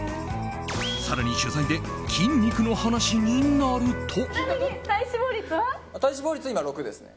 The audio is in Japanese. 更に取材で筋肉の話になると。